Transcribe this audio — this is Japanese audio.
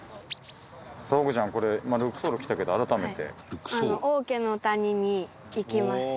さあ環子ちゃんこれルクソール来たけど改めて。